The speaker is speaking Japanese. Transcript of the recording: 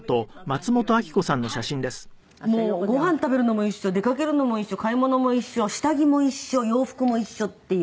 もうごはん食べるのも一緒出かけるのも一緒買い物も一緒下着も一緒洋服も一緒っていうぐらい。